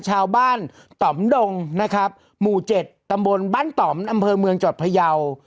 ชาวบ้านต่อมดงนะครับหมู่๗ตำบลบ้านต่อมอำเภอเมืองจังหวัดพยาว